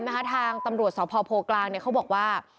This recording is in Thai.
มหาทางตำรวจสพกลางเขาบอกว่า